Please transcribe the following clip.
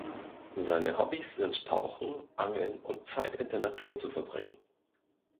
Seine Hobbys sind Tauchen, Angeln und Zeit in der Natur zu verbringen.